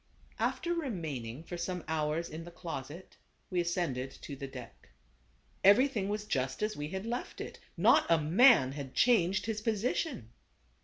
After remaining for some hours in the closet, we ascended to the deck. Everything was just as we had left it. Not a man had changed his position.